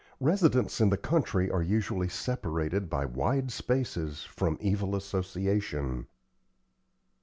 Residents in the country are usually separated by wide spaces from evil association.